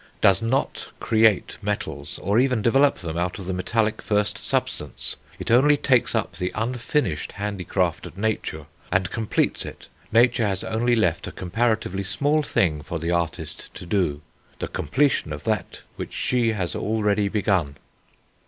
does not create metals, or even develop them out of the metallic first substance; it only takes up the unfinished handicraft of Nature and completes it.... Nature has only left a comparatively small thing for the artist to do the completion of that which she has already begun."